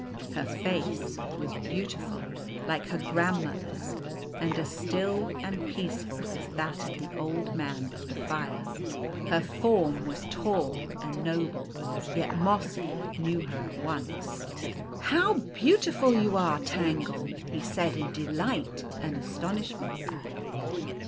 Her face was beautiful, like her grand mother's, and as still and peaceful as that of the Old Man of the Fire. Her form was tall and noble. Yet Mossy knew her at once. " How beautiful you are, Tangle !" he said, in delight and astonishment.